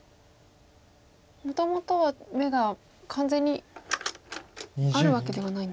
もともとは眼が完全にあるわけではないんですよね。